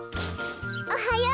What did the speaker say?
おはよう！